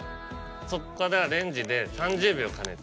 そっからレンジで３０秒加熱。